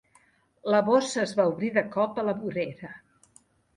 La bossa es va obrir de cop a la vorera.